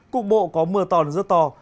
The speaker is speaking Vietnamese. cục bộ có mưa to là rất to